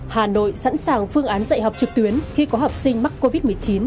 hà nội sẵn sàng phương án dạy học trực tuyến khi có học sinh mắc covid một mươi chín